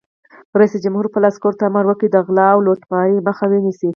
رئیس جمهور خپلو عسکرو ته امر وکړ؛ د غلا او لوټمارۍ مخه ونیسئ!